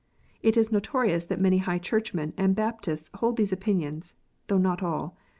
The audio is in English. It is notorious that many High Churchmen and Baptists hold these opinions, though not all.